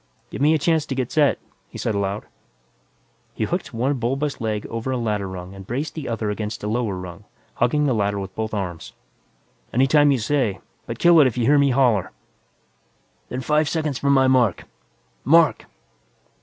"Give me a chance to get set," he said aloud. He hooked one bulbous leg over a ladder rung and braced the other against a lower rung, hugging the ladder with both arms. "Any time you say, but kill it if you hear me holler!" "Then five seconds from my mark mark!"